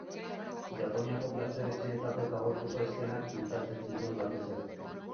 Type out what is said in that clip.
Japoniako plazer-etxeetako eta gorteko eszenak pintatzen zituen batez ere.